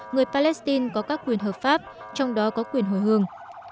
người palestine có các quyền hợp pháp trong đó có quyền hồi hương